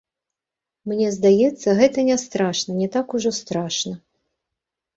Мне здаецца, гэта не страшна, не так ужо страшна.